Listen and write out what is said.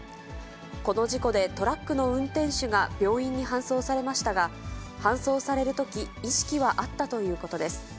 この事故で、トラックの運転手が病院に搬送されましたが、搬送されるとき、意識はあったということです。